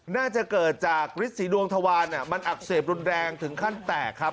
น่าจะเกิดจากฤทธีดวงทวารมันอักเสบรุนแรงถึงขั้นแตกครับ